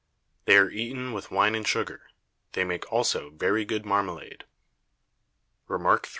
They are eaten with Wine and Sugar; they make also very good Marmalade. REMARK III.